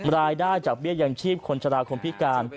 รายได้จากเบี้ยยังชีพคนชะลาคนพิการ